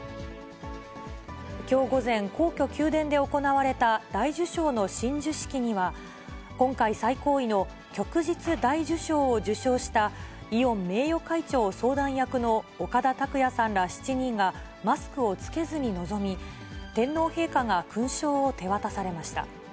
きょう午前、皇居・宮殿で行われた大綬章の親授式には、今回最高位の旭日大綬章を受章したイオン名誉会長相談役の岡田卓也さんら７人が、マスクを着けずに臨み、天皇陛下が勲章を手渡されました。